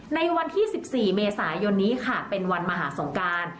ในวันที่๑๔เมษายนนี้ค่ะเป็นวันมหาสงการ